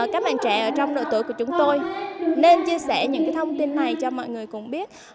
các bạn trẻ ở trong đội tuổi của chúng tôi nên chia sẻ những cái thông tin này cho mọi người cũng biết